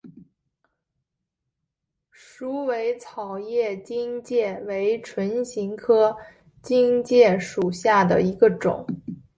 鼠尾草叶荆芥为唇形科荆芥属下的一个种。